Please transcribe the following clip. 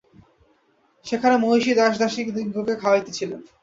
সেখানে মহিষী দাসদাসীদিগকে খাওয়াইতেছিলেন।